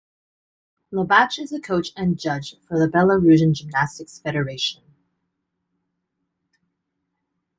Lobatch is a coach and judge for the Belarusian Gymnastics Federation.